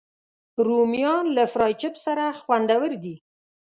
رومیان له فرای چپس سره خوندور دي